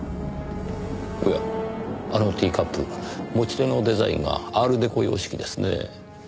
おやあのティーカップ持ち手のデザインがアールデコ様式ですねぇ。